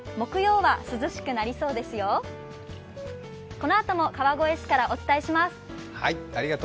このあとも川越市からお伝えします。